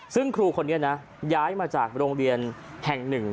ซึ่งครูคนนี้นะย้ายมาจากโรงเรียนแห่งหนึ่ง